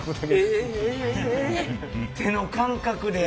手の感覚で。